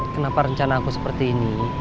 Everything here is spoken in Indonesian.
kenapa rencana aku seperti ini